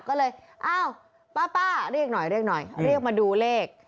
ก็เลยอ้าวป้าเรียกหน่อยเรียกมาดูเลข